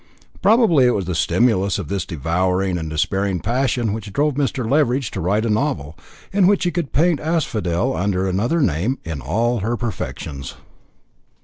Probably it was the stimulus of this devouring and despairing passion which drove Mr. Leveridge to writing a novel, in which he could paint Asphodel, under another name, in all her perfections.